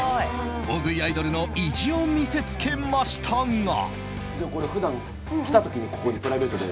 大食いアイドルの意地を見せつけましたが。